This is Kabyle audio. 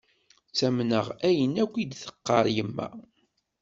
Ttamneɣ ayen akk i d-teqqar yemma.